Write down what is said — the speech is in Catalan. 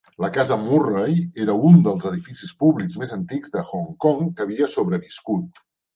La casa Murray era un dels edificis públics més antics de Hong Kong que havia sobreviscut.